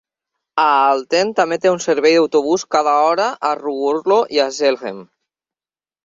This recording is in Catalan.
Aalten també té un servei d'autobús cada hora a Ruurlo i a Zelhem.